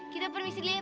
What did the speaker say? kita permisi dulu ya pak